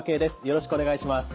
よろしくお願いします。